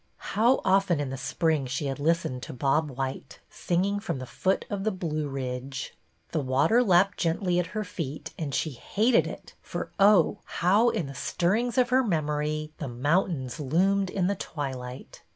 How often in the spring she had list ened to Bob white, singing from the foot of the Blue Ridge ! The water lapped gently at her feet, and she hated it, for oh, how, in the stirrings of her mem ory, the mountains loomed in the twilight!